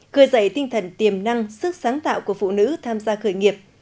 cười dạy tinh thần tiềm năng sức sáng tạo của phụ nữ tham gia khởi nghiệp